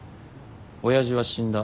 親父は死んだ。